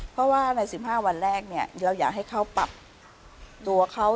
เพราะว่าใน๑๕วันแรกเนี่ยเราอยากให้เขาปรับตัวเขา